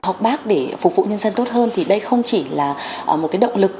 học bác để phục vụ nhân dân tốt hơn thì đây không chỉ là một cái động lực